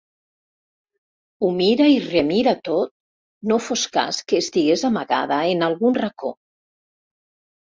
Ho mira i remira tot, no fos cas que estigués amagada en algun racó.